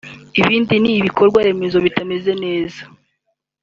Ikindi ni ibikorwa remezo bitameze neza